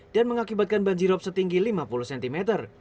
dan mengakibatkan banjirop setinggi lima puluh cm